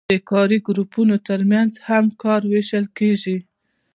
د کاري ګروپونو ترمنځ هم کار ویشل کیږي.